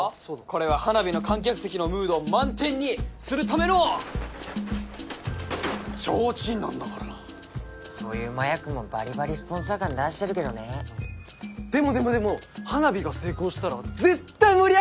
これは花火の観客席のムードを満点にするためのちょうちんなんだからそういうマヤ君もバリバリスポンサー感出してるけどねでもでもでも花火が成功したら絶対盛り上がるよね